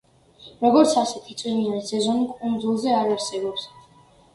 როგორც ასეთი წვიმიანი სეზონი კუნძულზე არ არსებობს.